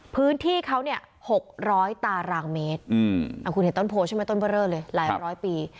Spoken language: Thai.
พื้นที่เขาเนี่ย๖๐๐ตารางเมตรคุณเห็นต้นโพใช่ไหมต้นเบอร์เรอเลยหลายร้อยปี